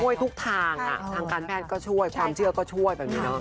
ช่วยทุกทางทางการแมทก็ช่วยความเชื่อก็ช่วย